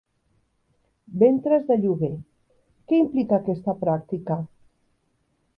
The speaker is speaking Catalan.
Ventres de lloguer: què implica aquesta pràctica?